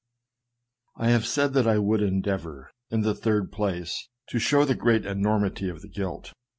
I have said that I would endeavor, in the third place, to show the great enormity of this guilt.